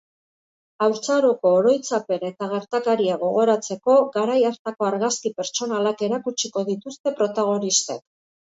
Haurtzaroko oroitzapen eta gertakariak gogoratzeko, garai hartako argazki pertsonalak erakutsiko dituzte protagonistek.